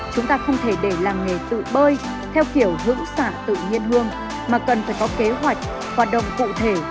chúng ta không thể để làng nghề tự bơi theo kiểu hữu sản tự nhiên hương mà cần phải có kế hoạch hoạt động cụ thể